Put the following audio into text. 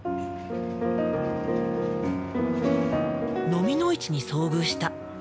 のみの市に遭遇した。